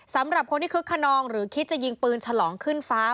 สำหรับคนที่คึกขนองหรือคิดจะยิงปืนฉลองขึ้นฟ้า